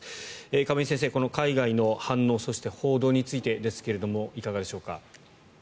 亀井先生、海外の反応そして報道についてですけれどいかがでしょうか？